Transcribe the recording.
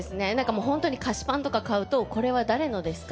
もうホントに菓子パンとか買うと「これは誰のですか？」